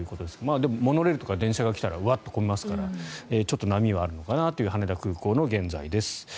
でも、モノレールとか電車が来たらわっと混みますから波はあるのかなという羽田空港の現在です。